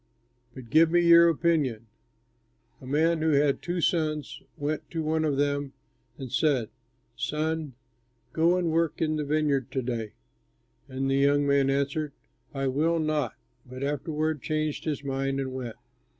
"But give me your opinion. A man who had two sons went to one of them and said, 'Son, go and work in the vineyard to day.' And the young man answered, 'I will not'; but afterward changed his mind and went.